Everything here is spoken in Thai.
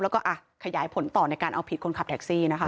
แล้วก็ขยายผลต่อในการเอาผิดคนขับแท็กซี่นะคะ